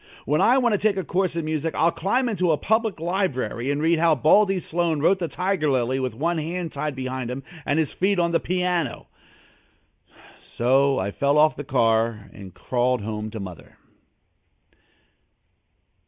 When I want to take a course in music I'll climb into a public library and read how Baldy Sloane wrote the Tiger Lily with one hand tied behind him and his feet on the piano. So I fell off the car and crawled home to mother.